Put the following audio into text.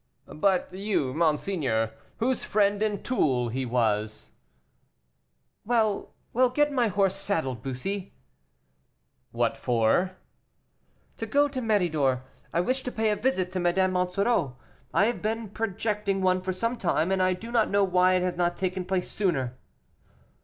"But you, monseigneur, whose friend and tool he was " "Well, well, get my horse saddled, Bussy." "What for?" "To go to Méridor; I wish to pay a visit to Madame Monsoreau. I have been projecting one for some time, and I do not know why it has not taken place sooner."